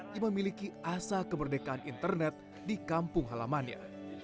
yang memiliki asa kemerdekaan internet di kampung halamannya